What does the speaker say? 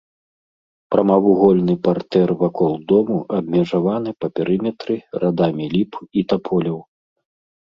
Прамавугольны партэр вакол дому абмежаваны па перыметры радамі ліп і таполяў.